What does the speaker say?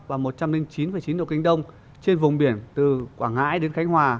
và một trăm linh chín chín độ kinh đông trên vùng biển từ quảng ngãi đến khánh hòa